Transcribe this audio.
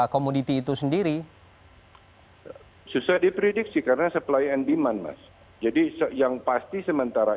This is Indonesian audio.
komoditi itu sendiri susah diprediksi karena supply and demand mas jadi yang pasti sementara